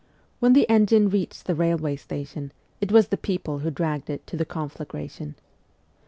When the engine reached the railway station, it was the people who dragged it to the conflagration.